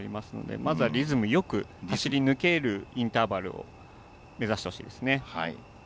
まずはリズムよく走り抜けるインターバルを目指してほしいですね。